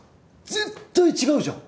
絶対違うじゃん。